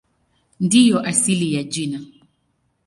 Ndiyo asili ya jina.